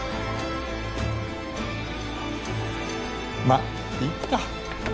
まいいか！